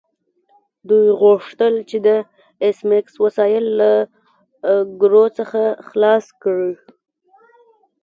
دوی غوښتل چې د ایس میکس وسایل له ګرو څخه خلاص کړي